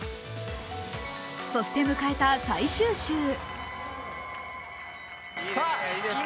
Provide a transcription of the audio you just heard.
そして迎えた最終周。